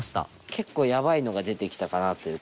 結構やばいのが出てきたかなという。